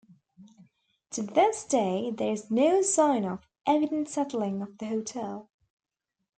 To this day there is no sign of evident settling of the hotel.